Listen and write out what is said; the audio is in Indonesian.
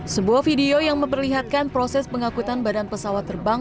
sebuah video yang memperlihatkan proses pengakutan badan pesawat terbang